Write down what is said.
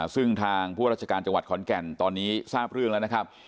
ซึ่งทางผู้ราชการจังหวัดขอนแก่นตอนนี้ทราบเรื่องแล้วนะครับ